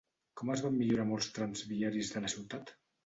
Com es van millorar molts trams viaris de la ciutat?